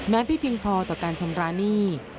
แม้มีเพียงพอต่อการชมร้านี่